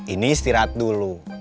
ini istirahat dulu